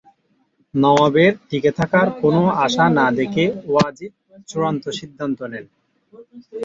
নওয়াবের টিকে থাকার কোনো আশা না দেখে ওয়াজিদ চূড়ান্ত সিদ্ধান্ত নেন।